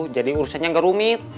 jadi urusannya gak rumit